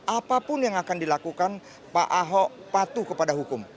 apapun yang akan dilakukan pak ahok patuh kepada hukum